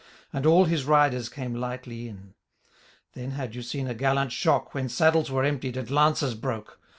And all his riders came lightly in. Then had you seen a gallant shock. When saddles were emptied, and lances broke